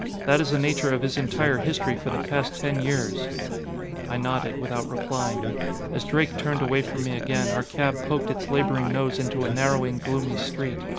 That is the nature of his entire history for the past ten years." I nodded, without replying. As Drake turned away from me again, our cab poked its laboring nose into a narrowing, gloomy street.